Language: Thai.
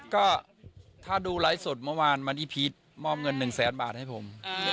ก็ถ้าดูไลฟ์สดเมื่อวานวันนี้พีชมอบเงิน๑แสนบาทให้ผม